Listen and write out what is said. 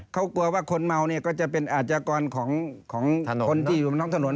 เขากลัวว่าคนเมาเนี่ยก็จะเป็นอาจกรของคนที่อยู่บนท้องถนน